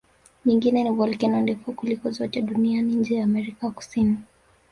Nyingine ni volkeno ndefu kuliko zote duniani nje ya Amerika Kusini